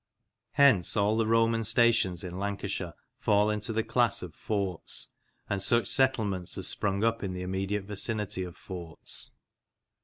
Hence all the Roman stations in Lancashire fall into the class of forts, and such settlements as sprung up in the immediate vicinity of forts.